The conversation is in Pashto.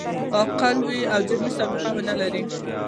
عاقل وي او جرمي سابقه و نه لري.